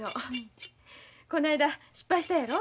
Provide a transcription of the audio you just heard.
この間失敗したやろ。